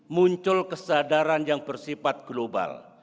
muncul kesadaran yang bersifat global